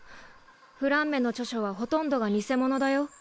フランメの著書はほとんどが偽物だよ。